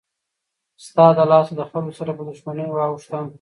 د تا له لاسه دخلکو سره په دښمنۍ واوښتم.